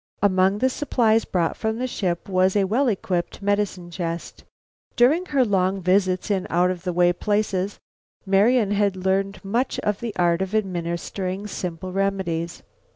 Among the supplies brought from the ship was found a well equipped medicine chest. During her long visits in out of the way places, Marian had learned much of the art of administering simple remedies.